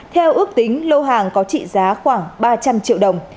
theo ước tính lô hàng có trị giá khoảng ba trăm linh triệu đồng